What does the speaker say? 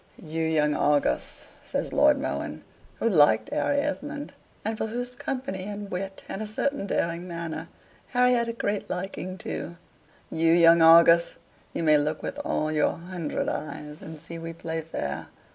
"You young Argus!" says Lord Mohun, who liked Harry Esmond and for whose company and wit, and a certain daring manner, Harry had a great liking too "You young Argus! you may look with all your hundred eyes and see we play fair.